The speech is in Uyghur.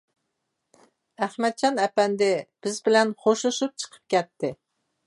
ئەخمەتجان ئەپەندى بىز بىلەن خوشلىشىپ چىقىپ كەتتى.